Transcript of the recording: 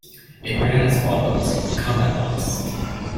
It ran as follows: Come at once.